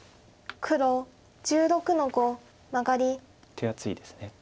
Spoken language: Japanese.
手厚いです。